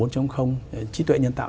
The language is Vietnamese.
bốn trong trí tuệ nhân tạo